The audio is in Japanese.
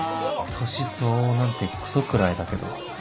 年相応なんてクソ食らえだけど